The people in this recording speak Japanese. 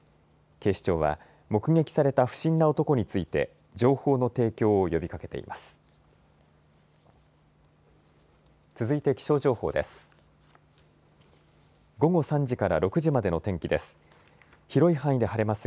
警視庁は目撃された不審な男について情報の提供を呼びかけています。